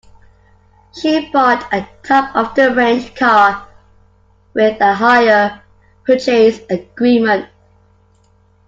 She bought a top-of-the-range car with a hire purchase agreement